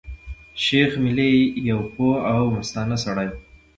شېخ ملي يو پوه او مستانه سړی وو.